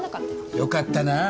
よかったなぁ。